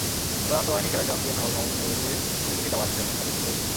এবার আন্তঃবাহিনী খেলায় চ্যাম্পিয়ন হওয়ায় মামুনুল-এমিলি দুটি ফিতা পাচ্ছেন, আগে ছিল একটি।